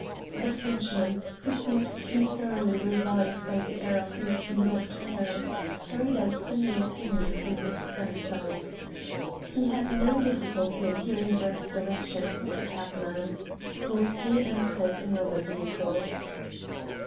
The Frenchman, who seemed to be thoroughly revived by the air of his beloved Paris, hurried out simultaneously with themselves. He had no difficulty in hearing Brett's directions to a cabman. Gaultier entered another vehicle.